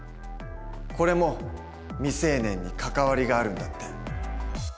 これも未成年に関わりがあるんだって。